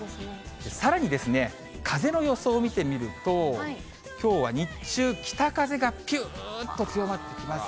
さらにですね、風の予想を見てみると、きょうは日中、北風がぴゅーっと強まってきます。